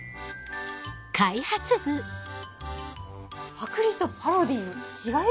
パクリとパロディーの違い？